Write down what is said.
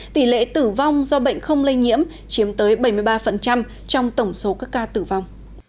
tỷ lệ tử vong do bệnh không lây nhiễm chiếm tới bảy mươi ba trong tổng số các ca tử vong